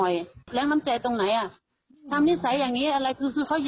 กลัวโดนประจานเหรอ